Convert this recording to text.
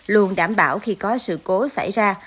luôn đảm bảo khi có sự cố xảy ra